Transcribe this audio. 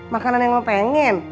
makanan yang lo pengen